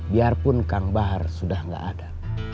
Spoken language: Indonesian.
biarpun kang bahar sudah tidak ada